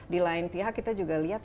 di lain pihak kita juga lihat